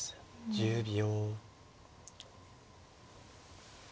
１０秒。